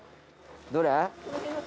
どれ？